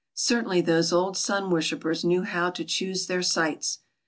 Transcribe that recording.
Certainly those old sun worshippers knew how to choose their sites.